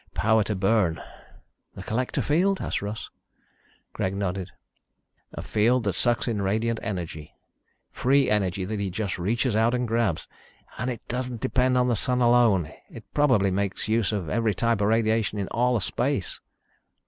Power to burn." "The collector field?" asked Russ. Greg nodded. "A field that sucks in radiant energy. Free energy that he just reaches out and grabs. And it doesn't depend on the Sun alone. It probably makes use of every type of radiation in all of space."